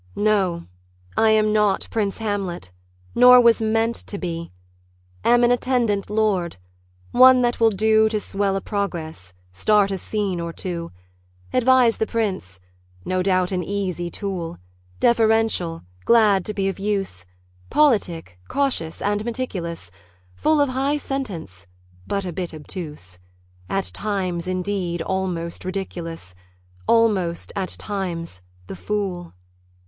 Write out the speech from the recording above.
......... No! I am not Prince Hamlet, nor was meant to be; Am an attendant lord, one that will do To swell a progress, start a scene or two, Advise the prince; no doubt, an easy tool, Deferential, glad to be of use, Politic, cautious, and meticulous; Full of high sentence, but a bit obtuse; At times, indeed, almost ridiculous Almost, at times, the Fool.